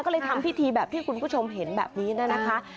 ก็เลยทำพิธีแบบที่คุณผู้ชมเห็นแบบนี้นะคะ